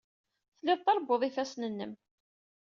Tellid trebbud ifassen-nnem.